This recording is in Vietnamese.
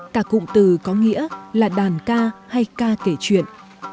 cả cụm từ có nghĩa là đàn ca hay ca kể chuyện